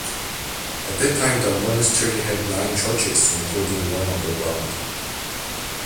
At that time the monastery had nine churches, including one underground.